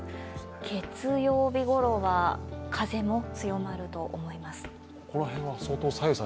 月曜日ごろは風も強まると思います。